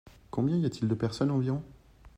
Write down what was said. Combien y a-t-il de personnes environ ?